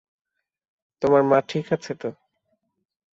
তোমার মা ঠিক আছে তো?